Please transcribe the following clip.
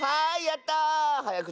はいやった！